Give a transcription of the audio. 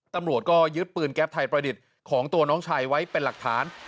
ตำรวจก็ยึดปืนแก๊ปไทยประดิษฐ์ของตัวน้องชายไว้เป็นหลักฐาน